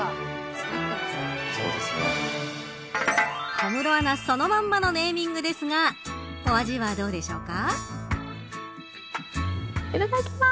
小室アナ、そのまんまのネーミングですがお味はどうでしょうか。